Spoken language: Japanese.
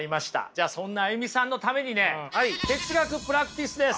じゃあそんなＡＹＵＭＩさんのためにね哲学プラクティスです！